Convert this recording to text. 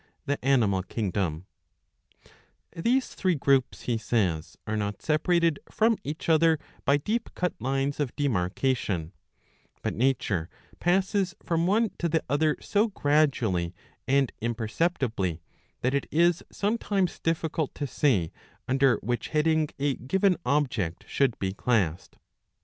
the^tnimal kingdom^ These three groups, he says, are not separated from each other by deep cut lines of demarcation ; but Nature passes from one to the other so gradually and imperceptibly that it is sometimes difficult to say under which heading a given object should be classed.